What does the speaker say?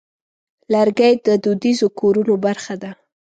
لرګی د دودیزو کورونو برخه ده.